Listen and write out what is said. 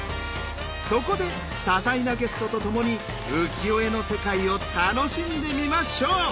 そこで多彩なゲストとともに浮世絵の世界を楽しんでみましょう！